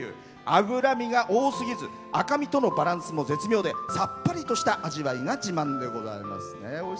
脂身が多すぎず赤みとのバランスも絶妙でさっぱりとした味わいが自慢でございます。